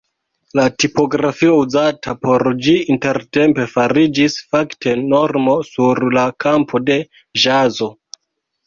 La tipografio uzata por ĝi intertempe fariĝis fakte normo sur la kampo de ĵazo.